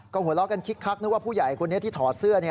ก็หัวเราะกันคิกคักนึกว่าผู้ใหญ่คนนี้ที่ถอดเสื้อ